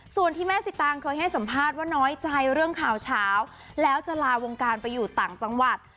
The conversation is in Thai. ส่วนที่แม่สิตางเคยให้สัมภาษณ์ว่าน้อยใจเรื่องข่าวเช้าแล้วจะลาวงการไปอยู่ต่างจังหวัด